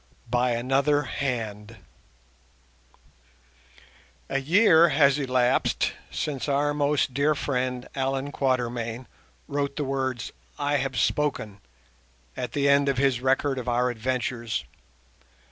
BY ANOTHER HAND A year has elapsed since our most dear friend Allan Quatermain wrote the words "I have spoken" at the end of his record of our adventures.